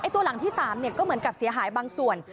ตัวหลังที่๓ก็เหมือนกับเสียหายบางส่วน